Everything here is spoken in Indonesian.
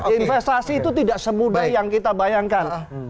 investasi itu tidak semudah yang kita bayangkan